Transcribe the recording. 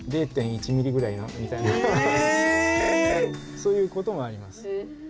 そういうこともあります。